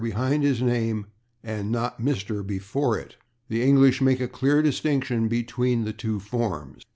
behind his name, and not /Mr./, before it. The English make a clear distinction between the two forms.